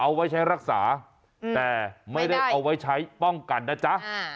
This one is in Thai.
เอาไว้ใช้รักษาแต่ไม่ได้เอาไว้ใช้ป้องกันนะจ๊ะ